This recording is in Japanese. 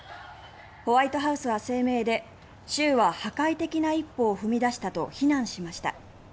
ホワイトハウスは声明で州は破壊的な一歩を踏み出したと非難しました。